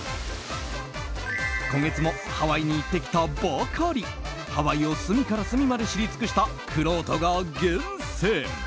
今月もハワイに行ってきたばかりハワイを隅から隅まで知り尽くしたくろうとが厳選。